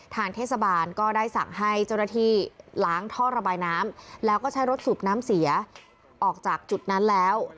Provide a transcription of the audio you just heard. ทางเทศบาลก็ได้สั่งให้เจ้าหน้าที่ล้างท่อระบายน้ำแล้วก็ใช้รถสูบน้ำเสียออกจากจุดนั้นแล้ว